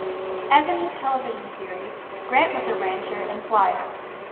As in his television series, Grant was a rancher and flier.